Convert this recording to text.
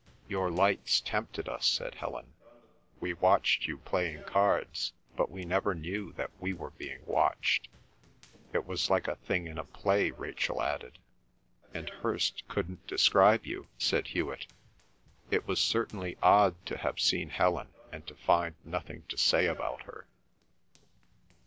"Your lights tempted us," said Helen. "We watched you playing cards, but we never knew that we were being watched." "It was like a thing in a play," Rachel added. "And Hirst couldn't describe you," said Hewet. It was certainly odd to have seen Helen and to find nothing to say about her.